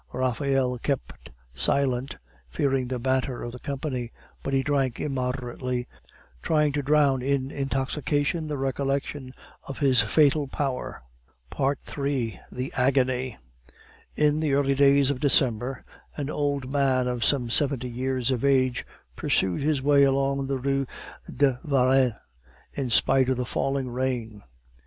Raphael kept silent, fearing the banter of the company; but he drank immoderately, trying to drown in intoxication the recollection of his fatal power. III. THE AGONY In the early days of December an old man of some seventy years of age pursued his way along the Rue de Varenne, in spite of the falling rain.